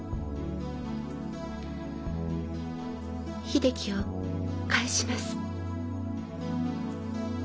秀樹を返します。